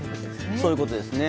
そういうことですね。